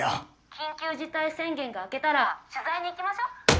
緊急事態宣言が明けたら取材に行きましょう。